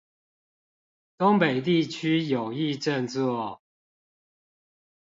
東北地區有意振作